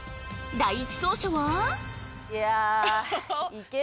第１走者はいや。